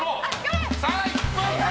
さあ１分間。